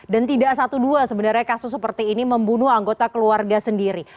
dan tidak satu dua sebenarnya kasus seperti ini membunuh anggota keluarga sendiri